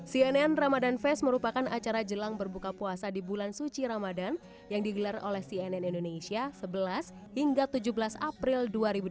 cnn ramadan fest merupakan acara jelang berbuka puasa di bulan suci ramadan yang digelar oleh cnn indonesia sebelas hingga tujuh belas april dua ribu dua puluh